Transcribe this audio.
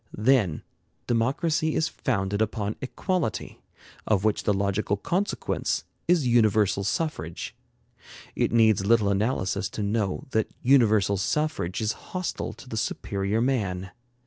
Then, democracy is founded upon equality, of which the logical consequence is universal suffrage. It needs little analysis to know that universal suffrage is hostile to the superior man.